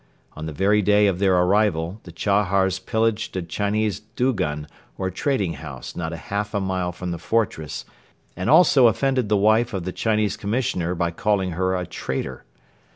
On the very day of their arrival the Chahars pillaged a Chinese dugun or trading house not half a mile from the fortress and also offended the wife of the Chinese Commissioner by calling her a "traitor."